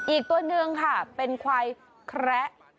อีกตัวหนึ่งค่ะเป็นควายแคระ